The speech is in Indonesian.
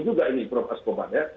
juga ini prof askoban ya